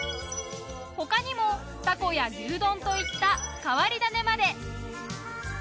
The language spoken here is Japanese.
他にも蛸や牛丼といった変わり種まで。